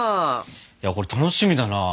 いやこれ楽しみだなあ。